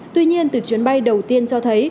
tuy nhiên từ chuyến bay đầu tiên cho thấy